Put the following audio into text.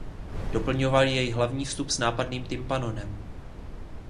Doplňoval jej hlavní vstup s nápadným tympanonem.